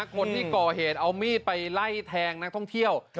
คนที่ก่อเหตุเอามีดไปไล่แทงนักท่องเที่ยว